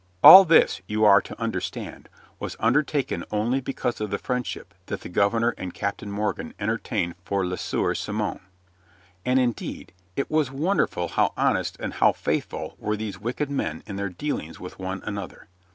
All this, you are to understand, was undertaken only because of the friendship that the governor and Captain Morgan entertained for Le Sieur Simon. And, indeed, it was wonderful how honest and how faithful were these wicked men in their dealings with one another.